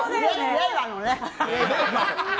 令和のね。